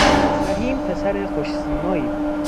رحیم پسر خوشسیمایی بود.